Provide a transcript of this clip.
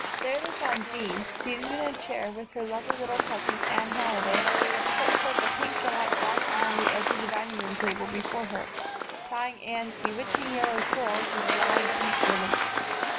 There they found Jean, seated in a chair with her lovely little cousin Anne Halliday perched like a pink and white blossom on the edge of the dining table before her, tying Anne's bewitching yellow curls with wide pink ribbons.